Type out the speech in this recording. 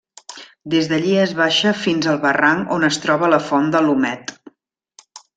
Des d'allí es baixa fins al barranc on es troba la Font de l'Omet.